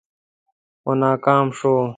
خو ناکام شوم.